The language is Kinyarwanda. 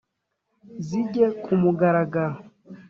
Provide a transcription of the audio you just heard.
Zige ku mugaragaro